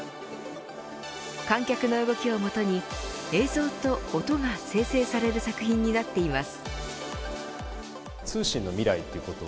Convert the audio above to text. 観客の動きをもとに映像と音が生成される作品になっています。